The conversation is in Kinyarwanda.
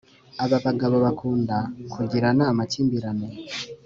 ababagabo bakunda kugirana amakimbirane